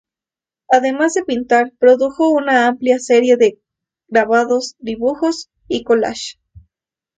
Además de pintar, produjo una amplia serie de grabados, dibujos y collages.